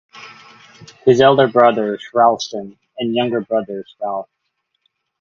His elder brother is Ralston and younger brother is Ralph.